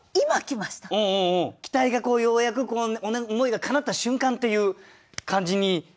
期待がようやく思いがかなった瞬間っていう感じにとれますね。